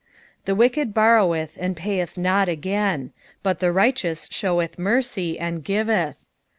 21 The wicked borroweth, and payeth not again : but the right eous sheweth mercy, and giveth.